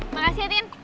makasih ya tien